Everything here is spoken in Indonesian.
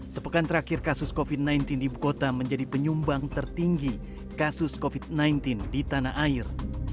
sepekan terakhir kasus covid sembilan belas di ibu kota menjadi penyumbang tertinggi kasus covid sembilan belas di tanah air